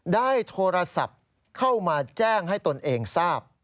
ได้โทรศัพท์เข้ามาแจ้งให้ตนเองทราบ